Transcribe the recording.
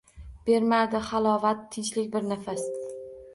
Bermadi halovat, tinchlik bir nafas.